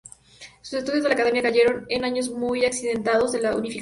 Sus estudios en la Academia cayeron en años muy accidentados de la unificación italiana.